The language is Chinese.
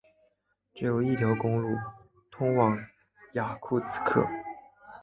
只有一条公路通往雅库茨克。